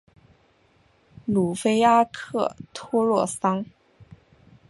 鲁菲阿克托洛桑。